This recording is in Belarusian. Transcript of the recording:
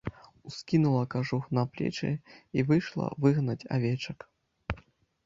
Ускінула кажух на плечы і выйшла выгнаць авечак.